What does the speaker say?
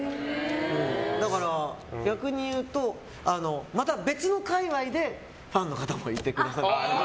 だから、逆にいうとまた別の界隈でファンの方もいてくださって。